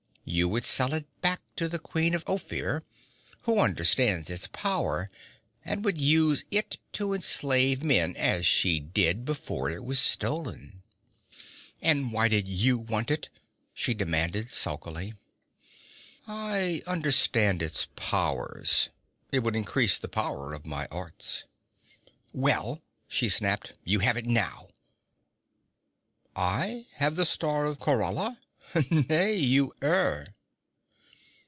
You would sell it back to the queen of Ophir, who understands its power and would use it to enslave men, as she did before it was stolen.' 'And why did you want it?' she demanded sulkily. 'I understand its powers. It would increase the power of my arts.' 'Well,' she snapped, 'you have it now!' 'I have the Star of Khorala? Nay, you err.'